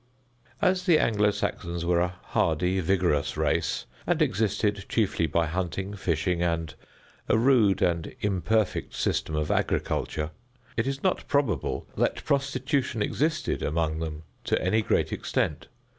As the Anglo Saxons were a hardy, vigorous race, and existed chiefly by hunting, fishing, and a rude and imperfect system of agriculture, it is not probable that prostitution existed among them to any great extent.